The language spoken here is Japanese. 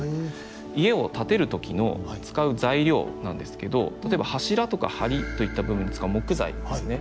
家を建てる時の使う材料なんですけど例えば柱とか梁といった部分に使う木材ですね。